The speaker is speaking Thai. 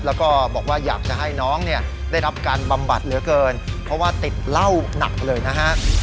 แล้วก็บอกว่าอยากจะให้น้องเนี่ยได้รับการบำบัดเหลือเกินเพราะว่าติดเหล้าหนักเลยนะฮะ